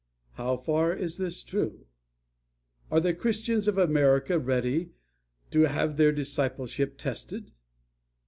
How far is that true? Are the Christians of America ready to have their discipleship tested?